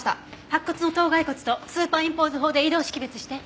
白骨の頭骸骨とスーパーインポーズ法で異同識別して。